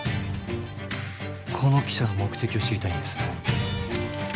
この記者の目的を知りたいんです